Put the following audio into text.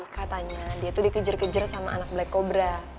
katanya dia tuh dikejar kejar sama anak black cobra